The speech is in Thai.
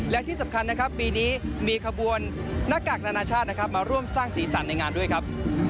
และที่สำคัญนะครับปีนี้มีขบวนหน้ากากนานาชาตินะครับมาร่วมสร้างสีสันในงานด้วยครับ